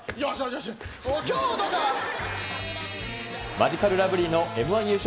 マヂカルラブリーです。